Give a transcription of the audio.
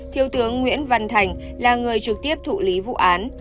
thiếu tướng nguyễn văn thành là người trực tiếp thụ lý vụ án